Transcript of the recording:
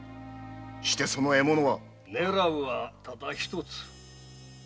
してその獲物は⁉狙うはただ一つ